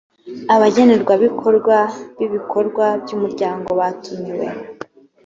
abagenerwa bikorwa b’ibikorwa by’umuryango batumiwe